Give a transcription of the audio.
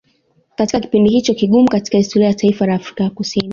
katika kipindi hicho kigumu katika historia ya taifa la Afrika ya kusini